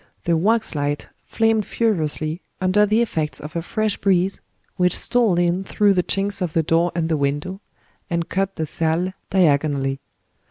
The wax light flamed furiously under the effects of a fresh breeze, which stole in through the chinks of the door and the window, and cut the salle diagonally.